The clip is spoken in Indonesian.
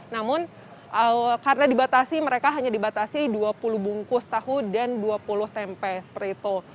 namun karena dibatasi mereka hanya dibatasi dua puluh bungkus tahu dan dua puluh tempe seperti itu